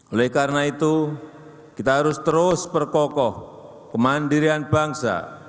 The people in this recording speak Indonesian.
oleh karena itu kita harus terus berkokoh kemandirian bangsa